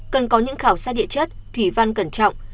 cần có những khảo sát địa chất thủy văn cẩn trọng